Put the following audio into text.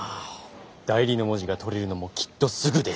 代理の文字が取れるのもきっとすぐです。